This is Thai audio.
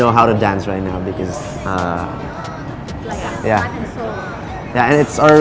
เอาของกลับที่สุด